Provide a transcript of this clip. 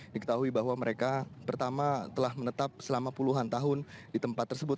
diketahui bahwa mereka pertama telah menetap selama puluhan tahun di tempat tersebut